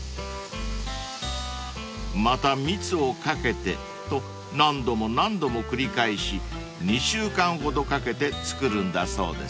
［また蜜を掛けてと何度も何度も繰り返し２週間ほどかけて作るんだそうです］